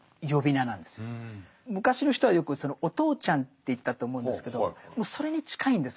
昔の人はよく「お父ちゃん」って言ったと思うんですけどそれに近いんです。